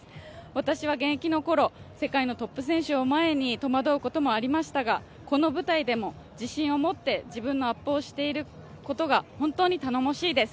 私は現役のころ、世界のトップ選手を前に戸惑うこともありましたがこの舞台でも自信を持って、自分のアップをしていることが本当に頼もしいです。